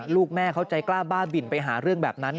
ลูกแม่เขาใจกล้าบ้าบินไปหาเรื่องแบบนั้น